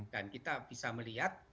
dan kita bisa melihat